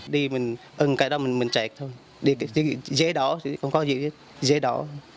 đi mình ưng cái đó mình chạy thôi đi dễ đó không có gì hết dễ đó